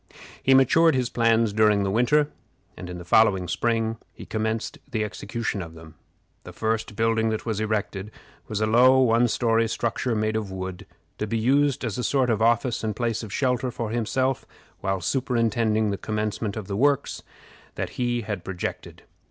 He matured his plans during the winter, and in the following spring he commenced the execution of them. The first building that was erected was a low one story structure, made of wood, to be used as a sort of office and place of shelter for himself while superintending the commencement of the works that he had projected.